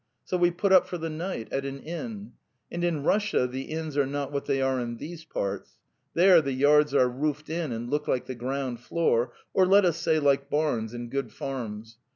... So we put up for the night ataninn. And in Russia the inns are not what they are in these parts. There the yards are roofed in and look like the ground floor, or let us say like barns in good farms.